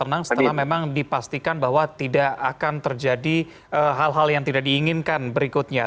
tenang setelah memang dipastikan bahwa tidak akan terjadi hal hal yang tidak diinginkan berikutnya